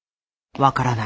分からない。